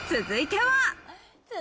続いては。